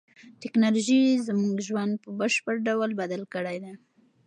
تکنالوژي زموږ ژوند په بشپړ ډول بدل کړی دی.